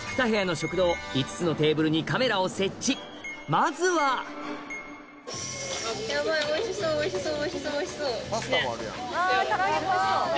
まずはおいしそうおいしそう。